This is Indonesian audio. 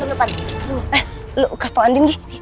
eh lu kasih tau andi nih